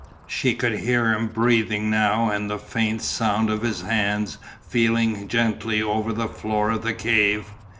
She could hear him breathing now and the faint sound of his hands feeling gently over the floor of the cave.